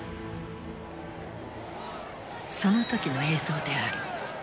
その時の映像である。